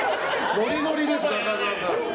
ノリノリです、中沢さん。